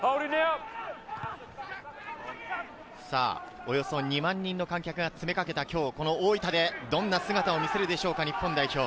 およそ２万人の観客が詰め掛けた今日、この大分でどんな姿を見せるでしょうか日本代表。